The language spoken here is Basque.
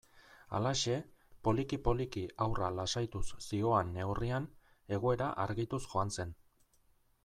Halaxe, poliki-poliki haurra lasaituz zihoan neurrian, egoera argituz joan zen.